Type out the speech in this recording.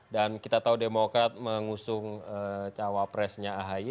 dan kita tahu demokrat mengusung cawapresnya ahy